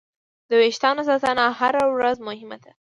د وېښتیانو ساتنه هره ورځ مهمه ده.